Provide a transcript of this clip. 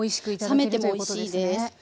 冷めてもおいしいです。